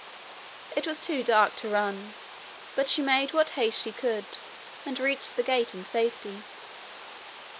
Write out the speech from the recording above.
It was too dark to run, but she made what haste she could, and reached the gate in safety.